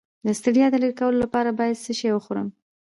د ستړیا د لرې کولو لپاره باید څه شی وخورم؟